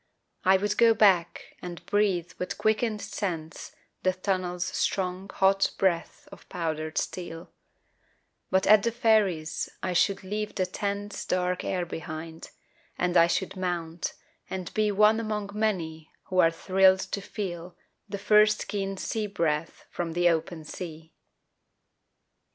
I would go back and breathe with quickened sense The tunnel's strong hot breath of powdered steel; But at the ferries I should leave the tense Dark air behind, and I should mount and be One among many who are thrilled to feel The first keen sea breath from the open sea.